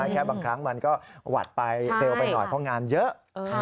แค่บางครั้งมันก็หวัดไปเร็วไปหน่อยเพราะงานเยอะ